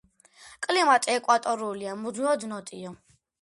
კლიმატი ეკვატორულია, მუდმივად ნოტიო.